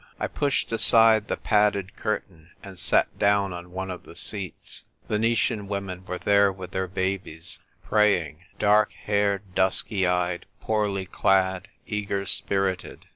I pushed aside the padded curtain, and sat down on one of the seats. Venetian women were there with their babies, praying — dark haired, dusky eyed, poorly clad, eager spirited.